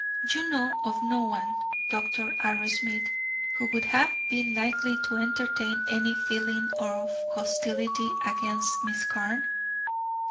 "You know of no one, Dr. Arrowsmith, who would have been likely to entertain any feeling of hostility against Miss Carne?"